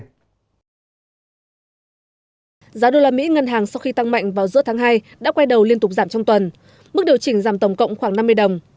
giá đô la mỹ ngân hàng sau khi tăng mạnh vào giữa tháng hai đã quay đầu liên tục giảm trong tuần mức điều chỉnh giảm tổng cộng khoảng năm mươi đồng